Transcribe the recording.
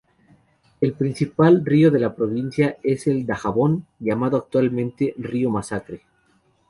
El principal río de la provincia es el Dajabón, llamado actualmente río Masacre.